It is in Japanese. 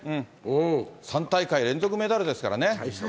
３大会連続メダルですからね。